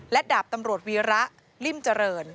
และดาบตำรวจวีระลิ่มเจริญ